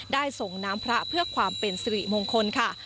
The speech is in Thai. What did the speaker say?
ส่งน้ำพระเพื่อความเป็นสิริมงคลค่ะ